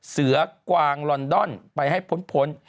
เสือกวางลอนดอนไปให้พ้น